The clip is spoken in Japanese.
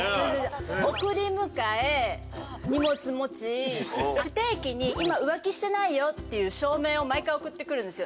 送り迎え荷物持ち不定期に「今浮気してないよ」っていう証明を毎回送ってくるんですよ